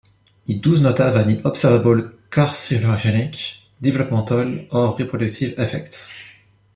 It does not have any observable carcinogenic, developmental, or reproductive effects.